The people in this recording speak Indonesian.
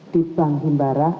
di bank himbarah